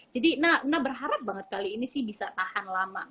jadi nah nah berharap banget kali ini sih bisa tahan lama